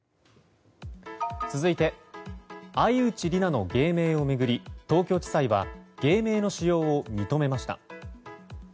続いて愛内里菜の芸名を巡り東京地裁は芸名の使用を認めました。